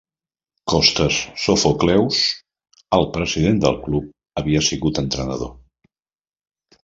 Costas Sophocleous, el president del club, havia sigut entrenador.